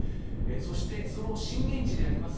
そして、その震源地であります